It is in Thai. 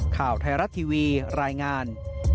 ข่าวไทยรัฐทีวีรายงาน